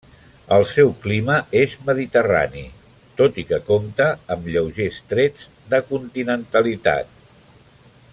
El seu clima és mediterrani, tot i que compta amb lleugers trets de continentalitat.